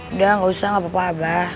udah gak usah gak apa apa